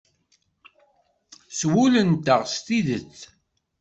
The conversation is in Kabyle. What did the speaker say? S wul-nteɣ s tidet.